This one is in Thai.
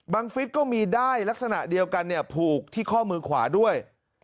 ฟิศก็มีได้ลักษณะเดียวกันเนี่ยผูกที่ข้อมือขวาด้วย